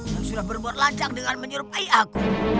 yang sudah berbuat lacak dengan menyerupai aku